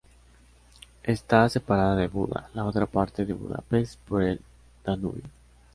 Está separada de Buda, la otra parte de Budapest, por el Danubio.